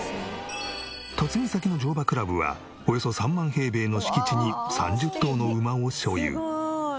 嫁ぎ先の乗馬クラブはおよそ３万平米の敷地に３０頭の馬を所有。